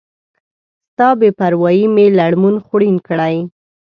ستا بی پروایي می لړمون خوړین کړی